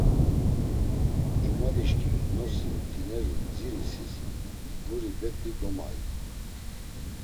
Cumadişǩimi nosi mt̆ineri bdzirisis guri bet̆i domayu.